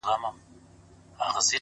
اچيل یې ژاړي ـ مړ یې پېزوان دی ـ